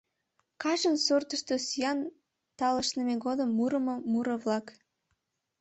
Качын суртышто сӱан талышныме годым мурымо муро-влак.